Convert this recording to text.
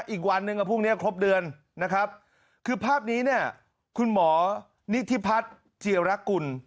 อีกวันหนึ่งกับพรุ่งนี้ครบเดือนคือภาพนี้คุณหมอนิธิพัฒน์เจียรักกุล